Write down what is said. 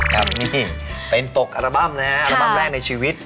ครับนี่เป็นตกอัลบั้มนะฮะอัลบั้มแรกในชีวิต